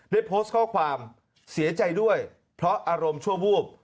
ได้โพสต์ข้อความเสียใจด้วยเพราะอารมณ์ชั่ววูบ